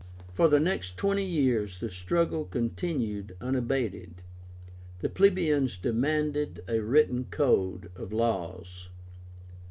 For the next twenty years the struggle continued unabated. The plebeians demanded a WRITTEN CODE OF LAWS.